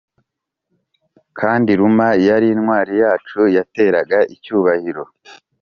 kandi rum yari intwari yacu, yateraga icyubahiro.